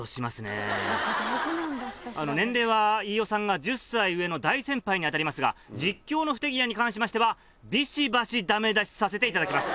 年齢は飯尾さんが１０歳上の大先輩に当たりますが実況の不手際に関しましてはビシバシダメ出しさせていただきます。